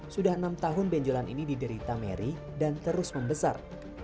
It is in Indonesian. sudah enam tahun benjolan ini diderita mary dan terus membesar